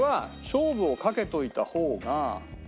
勝負を懸けといた方が。